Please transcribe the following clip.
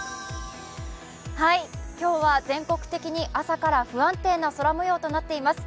今日は全国的に朝から不安定な空もようとなっています。